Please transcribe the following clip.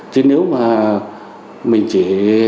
chứ nếu mà mình chỉ